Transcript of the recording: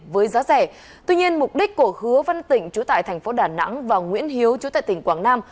với giá rẻ tuy nhiên mục đích cổ hứa văn tỉnh trú tại thành phố đà nẵng và nguyễn hiếu trú tại tỉnh quảng nam